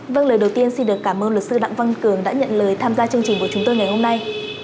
vâng lời đầu tiên xin được cảm ơn luật sư đặng văn cường đã nhận lời tham gia chương trình của chúng tôi ngày hôm nay